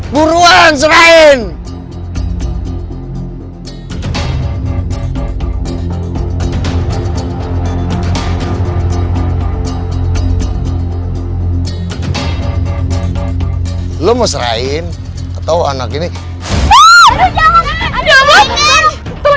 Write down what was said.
buruan serain duit lo